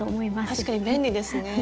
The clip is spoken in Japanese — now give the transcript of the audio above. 確かに便利ですね。